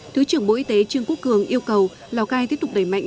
thứ trưởng bộ y tế trương quốc cường yêu cầu lào cai tiếp tục đẩy mạnh